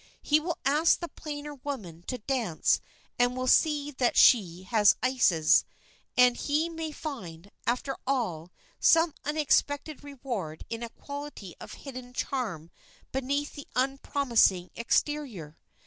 He will ask the plainer woman to dance and will see that she has ices, and he may find, after all, some unexpected reward in a quality of hidden charm beneath the unpromising exterior.